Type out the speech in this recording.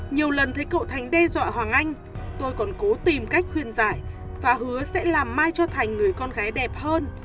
nhiều lần thấy cậu thành đe dọa hoàng anh tôi còn cố tìm cách khuyên giải và hứa sẽ làm mai cho thành người con gái đẹp hơn